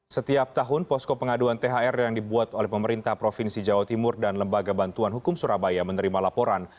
setiap tahun posko pengaduan thr yang dibuat oleh pemerintah provinsi jawa timur dan lembaga bantuan hukum surabaya menerima laporan